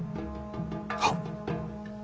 はっ。